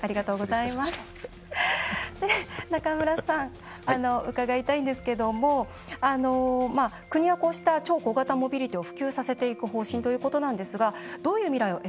で中村さん伺いたいんですけどもまあ国はこうした超小型モビリティを普及させていく方針ということなんですがどういう未来を描けそうですか？